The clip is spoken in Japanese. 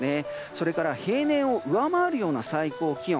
それから平年を上回るような最高気温。